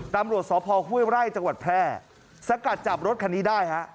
ตำรวจสพห้วยไร่จังหวัดแพร่สกัดจับรถคันนี้ได้ฮะ